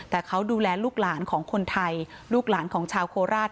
แต่เขาดูแลลูกหลานของคนไทยลูกหลานของชาวโคราช